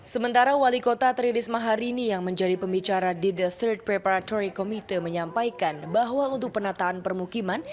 sementara wali kota tririsma harini yang menjadi pembicara di the street preparatory committee menyampaikan bahwa untuk penataan permukiman